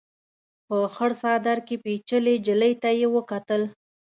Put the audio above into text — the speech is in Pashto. په خړ څادر کې پيچلې نجلۍ ته يې وکتل.